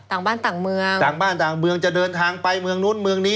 ต่างบ้านต่างเมืองต่างบ้านต่างเมืองจะเดินทางไปเมืองนู้นเมืองนี้